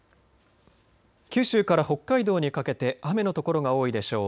九州から北海道にかけて雨のところが多いでしょう。